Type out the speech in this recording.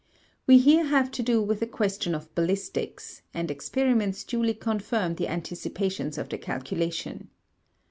We here have to do with a question of ballistics, and experiments duly confirm the anticipations of the calculation.